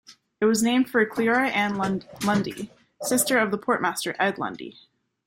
It was named for Cleora Ann Lunday, sister of the postmaster, Ed Lunday.